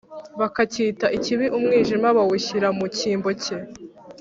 bakacyita ikibi umwijima bawushyira mu cyimbo cye